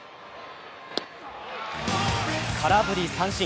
空振り三振。